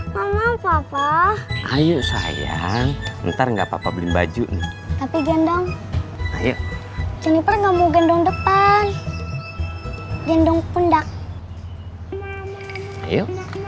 mau beli baju tapi gendong ayo jenifer ngomong gendong depan gendong pundak ayo